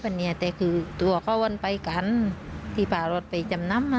ที่เขาวันไปกันป่ารถไปจำนำ